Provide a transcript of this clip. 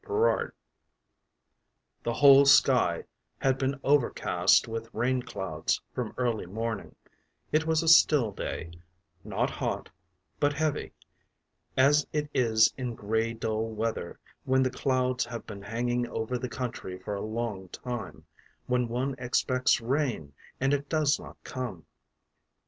GOOSEBERRIES THE whole sky had been overcast with rain clouds from early morning; it was a still day, not hot, but heavy, as it is in grey dull weather when the clouds have been hanging over the country for a long while, when one expects rain and it does not come.